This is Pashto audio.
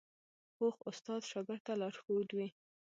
پوخ استاد شاګرد ته لارښود وي